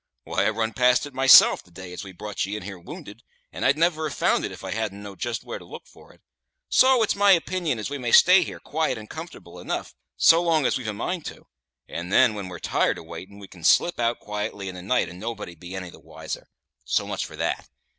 Why, I run past it myself the day as we brought you in here wounded, and I'd never have found it if I hadn't knowed just where to look for it. So it's my opinion as we may stay here quiet and comfortable enough so long as we've a mind to; and then, when we're tired of waitin', we can slip out quietly in the night, and nobody be any the wiser. So much for that.